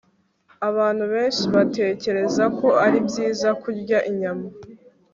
Abantu benshi batekereza ko ari byiza kurya inyama